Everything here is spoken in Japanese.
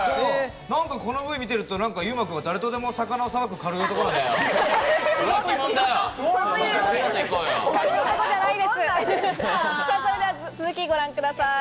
何か、このＶ見てると優馬君、誰とでも魚をさばく軽い男なんだそれでは続きご覧ください。